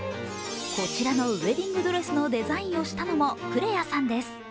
こちらのウエディングドレスのデザインをしたのもクレアさんです。